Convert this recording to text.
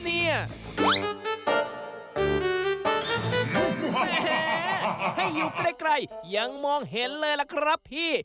แหมให้อยู่ไกลยังมองเห็นเลยล่ะครับพี่